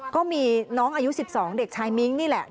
ก็มีน้องอายุ๑๒เด็กชายมิ้งนี่แหละ